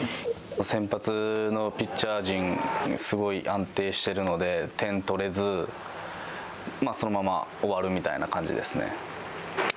先発のピッチャー陣、すごい安定しているので点を取れず、そのまま終わるみたいな感じですね。